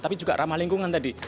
tapi juga ramah lingkungan tadi